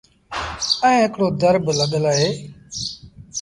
ائيٚݩ هڪڙو در بالڳل اهي۔